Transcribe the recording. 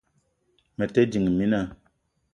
Me te ding, mina